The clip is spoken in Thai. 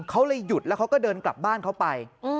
เขาเลยหยุดแล้วเขาก็เดินกลับบ้านเขาไป